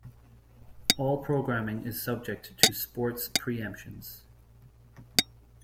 All programming is subject to sports pre-emptions.